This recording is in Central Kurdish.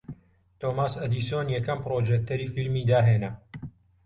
تۆماس ئەدیسۆن یەکەم پڕۆجێکتەری فیلمی داھێنا